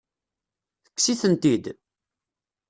Tekkes-itent-id?